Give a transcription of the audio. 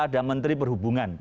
ada menteri perhubungan